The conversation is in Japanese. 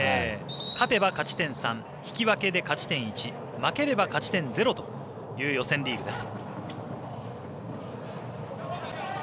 勝てば勝ち点３引き分けで勝ち点１負ければ勝ち点０という予選リーグです。